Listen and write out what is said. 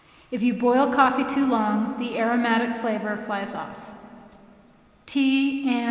If you boil coffee too long, the aromatic flavor flies off. Tea, &c.